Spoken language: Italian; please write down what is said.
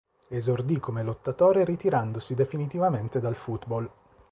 Esordì come lottatore ritirandosi definitivamente dal football.